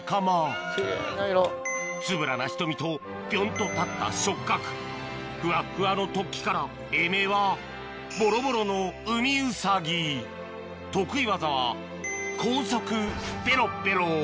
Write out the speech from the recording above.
つぶらな瞳とピョンと立った触角ふわふわの突起から英名は得意技は高速ペロペロ